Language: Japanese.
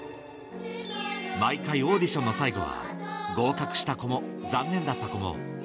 毎回オーディションの最後は合格した子も残念だった子も